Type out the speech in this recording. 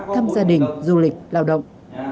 tham gia đình du lịch lao động